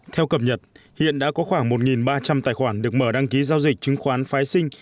theo cập nhật hiện đã có khoảng một ba trăm linh tài khoản được mở đăng ký giao dịch chứng khoán phái sinh